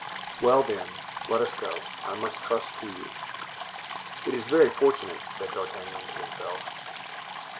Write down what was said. "Well, then, let us go—I must trust to you." "It is very fortunate," said D'Artagnan to himself.